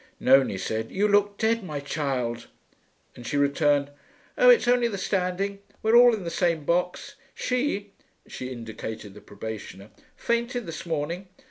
Nonie said, 'You look dead, my child,' and she returned, 'Oh, it's only the standing. We're all in the same box. She,' she indicated the probationer, 'fainted this morning.